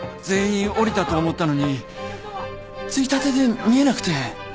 全員降りたと思ったのについたてで見えなくて。